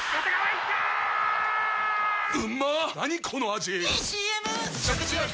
⁉いいＣＭ！！